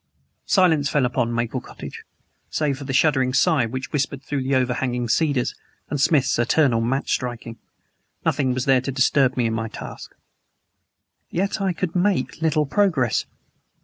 Silence fell upon Maple Cottage. Save for the shuddering sigh which whispered through the over hanging cedars and Smith's eternal match striking, nothing was there to disturb me in my task. Yet I could make little progress.